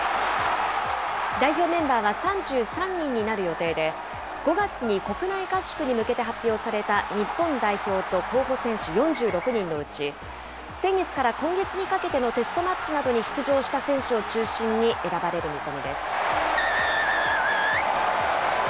代表メンバーは３３人になる予定で、５月に国内合宿に向けて発表された日本代表と候補選手４６人のうち、先月から今月にかけてのテストマッチなどに出場した選手を中心に選ばれる見込みです。